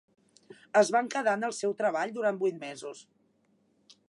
Es van quedar en el seu treball durant vuit mesos.